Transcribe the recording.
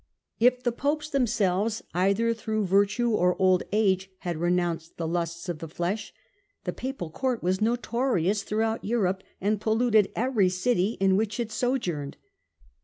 If the Popes themselves, either through virtue or old age, had renounced the lusts of the flesh, the Papal Court was notorious throughout Europe and polluted every city in which it sojourned.